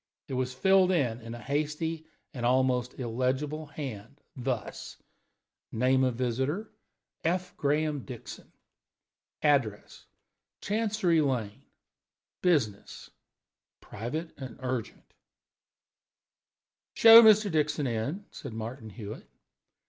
It was filled up in a hasty and almost illegible hand, thus: Name of visitor: F. Graham Dixon. Address: Chancery Lane. Business: Private and urgent. "Show Mr. Dixon in," said Martin Hewitt.